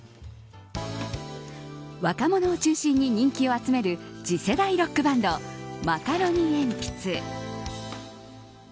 若者を中心に人気を集める次世代ロックバンドマカロニえんぴつ。